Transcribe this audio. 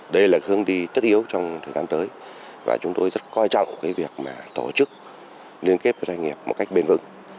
đây là hướng đi tất yếu trong thời gian tới và chúng tôi rất coi trọng việc tổ chức liên kết với doanh nghiệp một cách bền vững